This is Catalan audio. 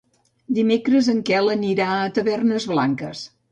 Dimecres en Quel anirà a Tavernes Blanques.